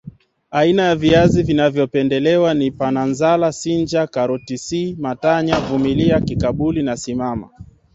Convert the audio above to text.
aina ya viazi vinavyopenelewa ni Pananzala sinja karoti C matanya vumilia kibakuli na simama